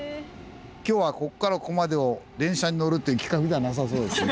今日はここからここまでを電車に乗るという企画じゃなさそうですね。